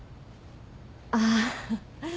ああ。